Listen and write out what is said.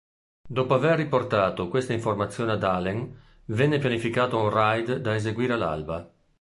Dopo aver riportato queste informazioni ad Allen, venne pianificato un raid da eseguire all'alba.